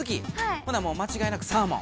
ほなもうまちがいなくサーモン。